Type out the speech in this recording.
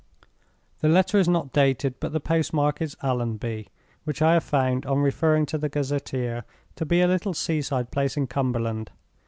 The letter is not dated; but the postmark is 'Allonby,' which I have found, on referring to the Gazetteer, to be a little sea side place in Cumberland.